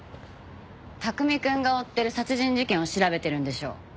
拓海くんが追ってる殺人事件を調べてるんでしょ？